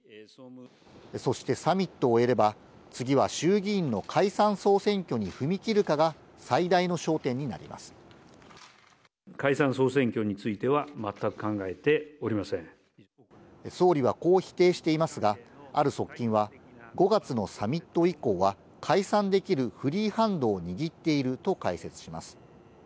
そしてサミットを終えれば、次は衆議院の解散・総選挙に踏み解散・総選挙については、総理はこう否定していますが、ある側近は、５月のサミット以降は解散できるフリーハンドを握っていると解説します。